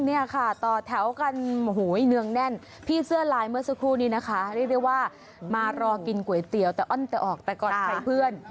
เนี่ยค่ะต่อแถวกันโอ้โหเนืองแน่นพี่เสื้อลายเมื่อสักครู่นี้นะคะเรียกได้ว่ามารอกินก๋วยเตี๋ยวแต่อ้อนแต่ออกแต่ก่อนใครเพื่อน